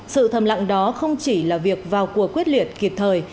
sự thầm lặng đó không chỉ là việc vào cuộc quyết liệt kịp thời